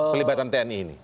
pelibatan tni ini